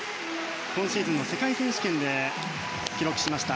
今シーズンの世界選手権で記録しました。